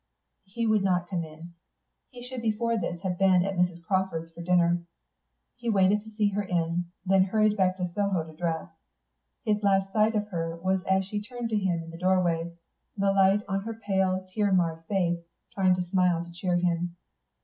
He would not come in. He should before this have been at Mrs. Crawford's for dinner. He waited to see her in, then hurried back to Soho to dress. His last sight of her was as she turned to him in the doorway, the light on her pale, tear marred face, trying to smile to cheer him.